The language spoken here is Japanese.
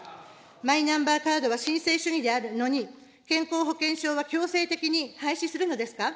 マイナンバーカードは申請主義であるのに、健康保険証は強制的に廃止するのですか。